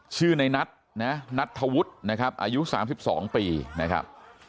ในนัทนะนัทธวุฒินะครับอายุ๓๒ปีนะครับ